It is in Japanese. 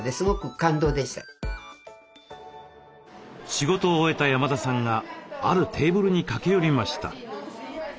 仕事を終えた山田さんがあるテーブルに駆け寄りました。